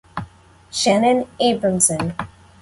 Most derives from his realized stake in Intouch Holdings.